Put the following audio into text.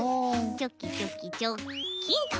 チョキチョキチョッキンと。